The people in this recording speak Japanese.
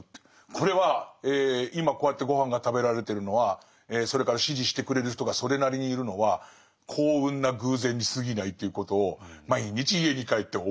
これは今こうやってごはんが食べられてるのはそれから支持してくれる人がそれなりにいるのは幸運な偶然にすぎないということを毎日家に帰って思うっていう。